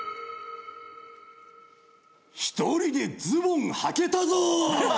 １人でズボンはけたぞ！